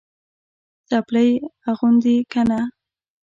څپلۍ اغوندې که نه؟